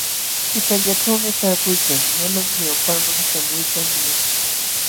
Qipallaćhuumi taakuykan, manam ñawpaqman śhamuyta munanchu.